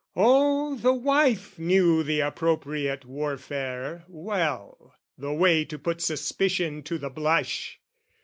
Oh, the wife knew the appropriate warfare well, The way to put suspicion to the blush!